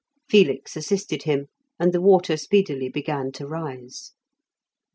Felix assisted him, and the water speedily began to rise.